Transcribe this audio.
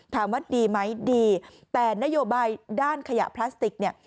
ถามว่าดีไหมดีแต่นโยบายด้านขยะพลาสติกเนี่ย